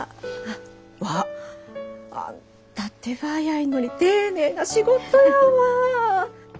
わっあんた手早いのに丁寧な仕事やわあ。